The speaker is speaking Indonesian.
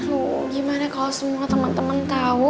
aduh gimana kalo semua temen temen tau